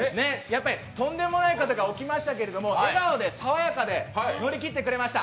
とんでもないことが起きましたけど、笑顔で爽やかで乗り切ってくれました。